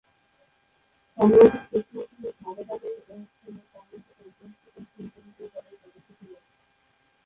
তন্মধ্যে, শেষ মৌসুমে সারে দলের কাউন্টি চ্যাম্পিয়নশীপের শিরোপা বিজয়ী দলের সদস্য ছিলেন।